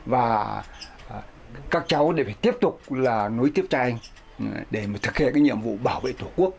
và các cháu để tiếp tục là nối tiếp trai anh để thực hiện nhiệm vụ bảo vệ tổ quốc